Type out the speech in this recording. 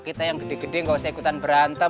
kita yang gede gede nggak usah ikutan berantem